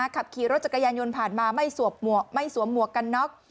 ขับขี่รถจักรยานยนต์ผ่านมาไม่สวมหมวกกันน็อก